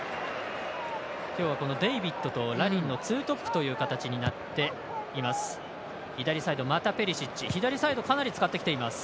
今日はデイビッドとラリンのツートップという形になっています。